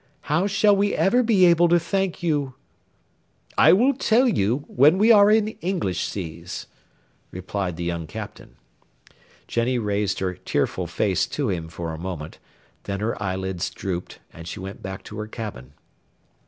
How shall we ever be able to thank you?" "I will tell you when we are in English seas," replied the young Captain. Jenny raised her tearful face to him for a moment, then her eyelids drooped, and she went back to her cabin.